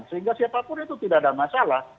sehingga siapapun itu tidak ada masalah